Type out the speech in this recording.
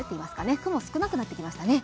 雲、少なくなってきましたね。